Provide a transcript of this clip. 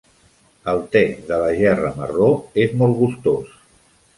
El té de la gerra marró es molt gustós.